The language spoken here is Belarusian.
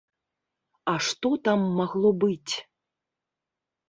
А што там магло быць?